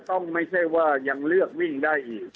ไม่ใช่ว่ายังเลือกวิ่งได้อีก